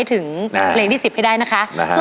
ถึงเมื่อพวกเราสมาธิที่๑๐ให้ได้